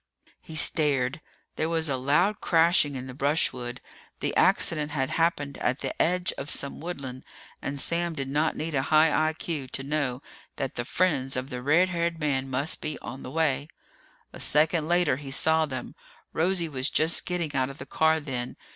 He stared. There was a loud crashing in the brushwood. The accident had happened at the edge of some woodland, and Sam did not need a high I.Q. to know that the friends of the red haired man must be on the way. A second later, he saw them. Rosie was just getting out of the car then.